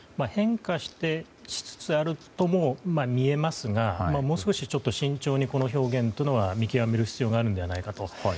変化しつつあるとも見えますがもう少し慎重にこの表現というのは見極める必要があるのではないかと。